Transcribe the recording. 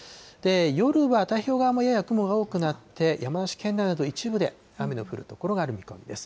夜は太平洋側もやや雲が多くなって、山梨県内など一部で雨の降る所がある見込みです。